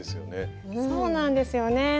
そうなんですよね。